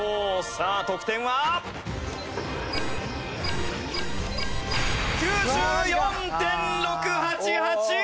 さあ得点は！？９４．６８８！